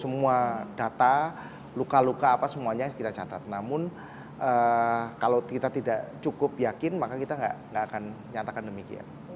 semua data luka luka apa semuanya kita catat namun kalau kita tidak cukup yakin maka kita nggak akan nyatakan demikian